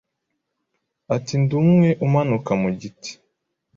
Ati Ndi umwe umanuka mugiti